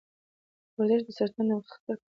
ورزش د سرطان د خطر کمولو لپاره ګټور دی.